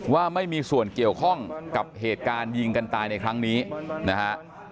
ว่าไม่มีส่วนเกี่ยวข้องกับเหตุการณ์ยิงกันตายในครั้งนี้นะฮะ